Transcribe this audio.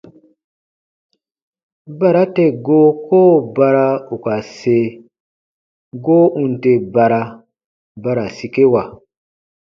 Bara tè goo koo bara ù ka se, goo ù n tè bara, ba ra sikewa.